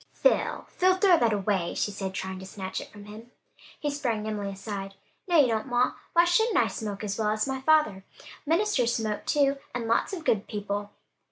"Phil! Phil! throw that away!" she said, trying to snatch it from him. He sprang nimbly aside, "No, you don't, ma! Why shouldn't I smoke as well as my father? Ministers smoke too, and lots of good people."